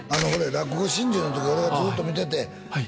「落語心中」のとき俺はずっと見ててはい